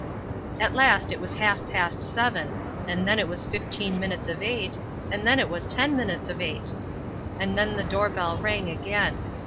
At last it was half past seven, and then it was fifteen minutes of eight, and then it was ten minutes of eight! And then the door bell rang again.